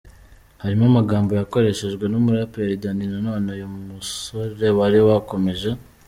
harimo amagambo yakoreshejwe numuraperi Dany Nanone, uyu musore wari wakomeje.